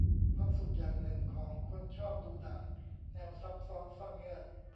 ความสุขอย่างหนึ่งของคนชอบดูหนังแนวซับซ้อนซ่อนเงื่อน